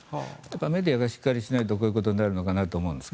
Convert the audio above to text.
メディアがしっかりしないとこういうことになるのかなと思うんですが。